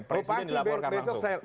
presiden dilaporkan langsung